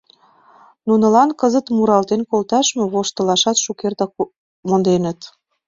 Нунылан кызыт муралтен колташ мо, воштылашат шукертак монденыт.